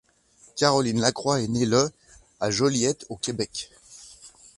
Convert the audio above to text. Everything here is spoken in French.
Caroline Lacroix est née le à Joliette, au Québec.